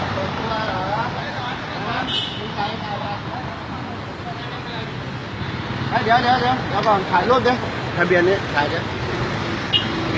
อจรภัยเชื้อเวลาคลุกชีวิตดกไม่หลบ